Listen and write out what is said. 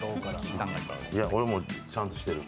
俺もちゃんとしてる。